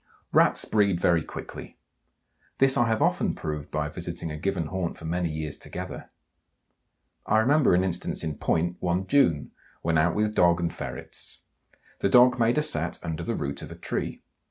Rats breed very quickly. This I have often proved by visiting a given haunt for many years together. I remember an instance in point one June, when out with dog and ferrets. The dog made a set under the root of a tree.